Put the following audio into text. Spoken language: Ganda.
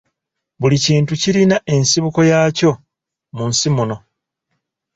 Buli kintu kirina ensibuko yakyo mu nsi muno.